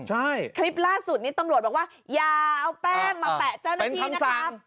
ใช่คลิปล่าสุดนี้ตำรวจบอกว่าอย่าเอาแป้งมาแปะเจ้าหน้าที่นะครับ